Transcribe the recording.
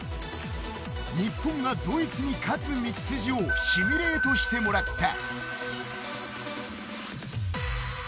日本がドイツに勝つ道筋をシミュレートしてもらった。